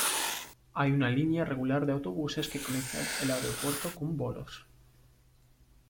Hay una línea regular de autobuses que conectan el aeropuerto con Volos.